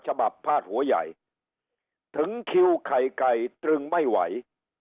พาดหัวใหญ่ถึงคิวไข่ไก่ตรึงไม่ไหว